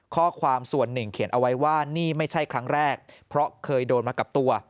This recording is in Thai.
ข้อความส่วนหนึ่งเขียนเอาไว้ว่านี่ไม่ใช่ครั้งแรกเพราะเคยโดนมากับตัว